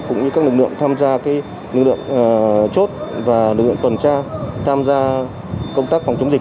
cũng như các lực lượng tham gia lực lượng chốt và lực lượng tuần tra tham gia công tác phòng chống dịch